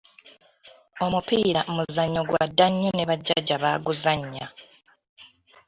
Omupiira muzannyo gwa dda nnyo ne bajjajja baaguzannya.